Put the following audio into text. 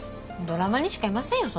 ドラマにしかいませんよ